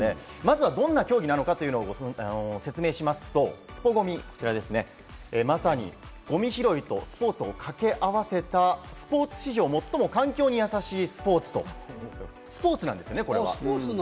どんな競技なのか説明しますと、スポＧＯＭＩ、まさにゴミ拾いとスポーツを掛け合わせた、スポーツ史上最も環境にやさしいスポーツと、これスポーツなんですね。